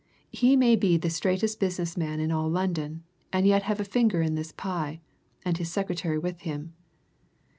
He may be the straightest business man in all London and yet have a finger in this pie, and his secretary with him.